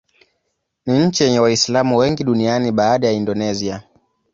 Ni nchi yenye Waislamu wengi duniani baada ya Indonesia.